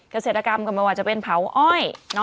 เกษตรกรรมก็ไม่ว่าจะเป็นเผาอ้อย